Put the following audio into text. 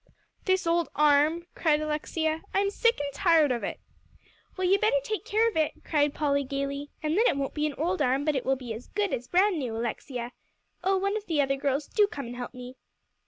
"This old arm," cried Alexia, "I'm sick and tired of it." "Well, you better take care of it," cried Polly gaily, "and then it won't be an old arm, but it will be as good as brand new, Alexia. Oh, one of the other girls, do come and help me."